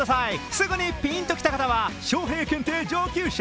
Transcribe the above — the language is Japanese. すぐにピンときた方はショウヘイ検定上級者。